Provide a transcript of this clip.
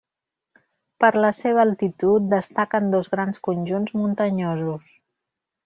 Per la seva altitud, destaquen dos grans conjunts muntanyosos.